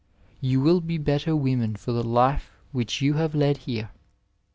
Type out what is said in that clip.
You will be better women for the Hie which you have led here.